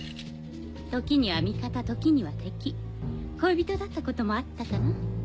時には味方時には敵恋人だったこともあったかな。